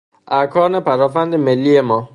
ارکان پدافند ملی ما